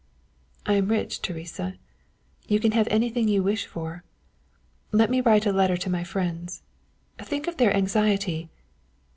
"I am rich, Teresa, you can have anything you wish for. Let me write a letter to my friends. Think of their anxiety.